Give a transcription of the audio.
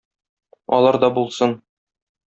Алар да булсын.